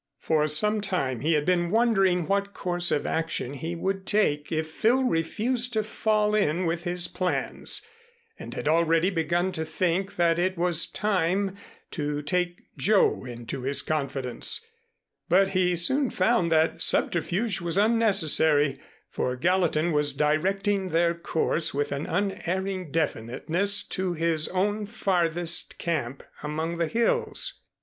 For some time he had been wondering what course of action he would take if Phil refused to fall in with his plans, and had already begun to think that it was time to take Joe into his confidence; but he soon found that subterfuge was unnecessary, for Gallatin was directing their course with an unerring definiteness to his own farthest camp among the hills.